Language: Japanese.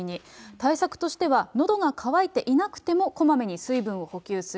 対策としては、のどが渇いていなくても、こまめに水分を補給する。